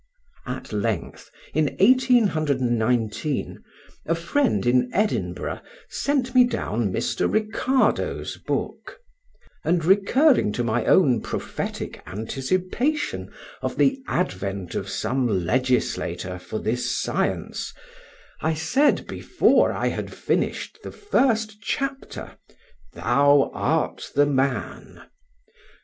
At length, in 1819, a friend in Edinburgh sent me down Mr. Ricardo's book; and recurring to my own prophetic anticipation of the advent of some legislator for this science, I said, before I had finished the first chapter, "Thou art the man!"